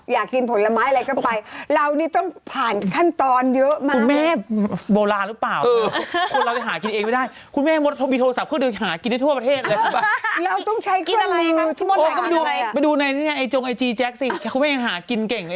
อยากกินผลไม้อะไรก็ไปเรานี่ต้องผ่านขั้นตอนเยอะมาก